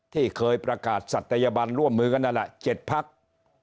ที่เคยประกาศศัตยบันร่วมมือกันนั่นแหละ๗พัก